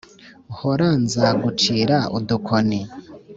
hora nzagucira udukoni